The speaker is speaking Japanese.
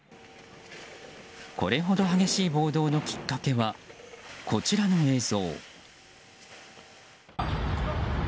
これほど激しい暴動のきっかけはこちらの映像。